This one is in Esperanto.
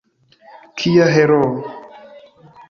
Kia heroo!